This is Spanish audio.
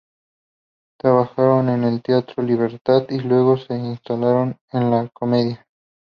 Trabajaron en el Teatro Libertad y luego se instalaron en La Comedia.